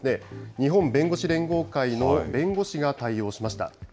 日本弁護士連合会の弁護士が対応しました。